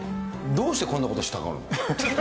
どうしてこんなことしたの？